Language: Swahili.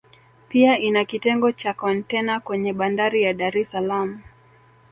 pia ina kitengo cha kontena kwenye Bandari ya Dar es Salaam